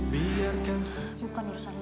bukan urusan lo